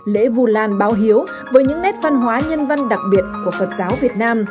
lễ vu lan báo hiếu với những nét văn hóa nhân văn đặc biệt của phật giáo việt nam